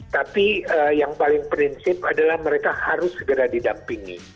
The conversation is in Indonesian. tapi yang paling prinsip adalah mereka harus segera didampingi